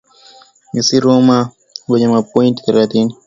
ac roma wenye pointi thelathini na tisa na mabingwa watetezi inter millan